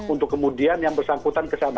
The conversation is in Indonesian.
untuk kemudian yang bersangkutan ke sana